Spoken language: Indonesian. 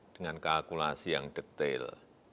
dengan kalkulasi yang detail